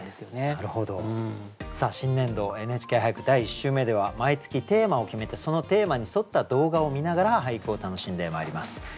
第１週目では毎月テーマを決めてそのテーマに沿った動画を観ながら俳句を楽しんでまいります。